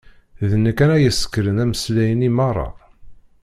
D nekk ara yessekren ameslay-nni merra.